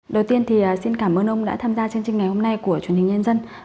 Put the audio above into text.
đầu tiên thì xin cảm ơn ông đã tham gia chương trình ngày hôm nay của truyền hình nhân dân